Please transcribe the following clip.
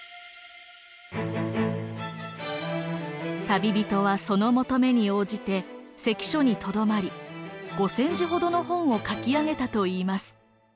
旅人はその求めに応じて関所にとどまり５，０００字ほどの本を書き上げたといいます。